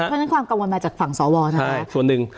เพราะฉะนั้นความกังวลมาจากฝั่งสวนะครับส่วนหนึ่ง